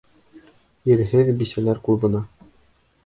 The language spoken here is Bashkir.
Ирһеҙ бисәләр клубына.